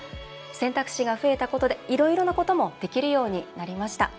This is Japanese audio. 選択肢が増えたことでいろいろなこともできるようになりました。